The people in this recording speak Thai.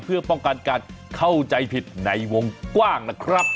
เพื่อป้องกันการเข้าใจผิดในวงกว้างนะครับ